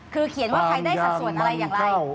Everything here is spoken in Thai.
คือเขียนว่าใครได้สัดส่วนอะไรอย่างไร